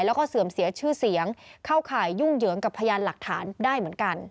แล้วก็เสื่อมเสียชื่อเสียงเข้าข่ายยุ่งเหยิงกับพยานหลักฐานได้เหมือนกัน